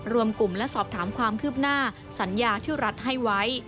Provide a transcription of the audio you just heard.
รวมกลุ่มและสอบถามความคืบหน้าสัญญาที่รัฐให้ไว้